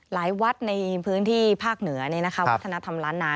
หลายวัดในพื้นที่ภาคเหนือวัฒนธรรมล้านนา